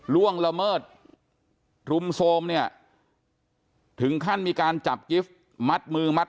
ล่วงละเมิดรุมโทรมเนี่ยถึงขั้นมีการจับกิฟต์มัดมือมัด